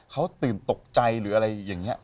เขาตื่นตกใจหรืออะไรอย่างนี้